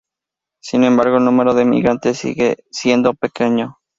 Sin embargo, el número de emigrantes sigue siendo pequeño.